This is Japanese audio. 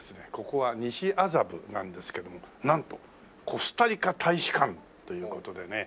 ここは西麻布なんですけどもなんとコスタリカ大使館という事でね。